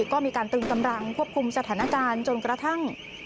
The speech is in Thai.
ก็มีการตรึงกำลังควบคุมสถานการณ์จนกระทั่ง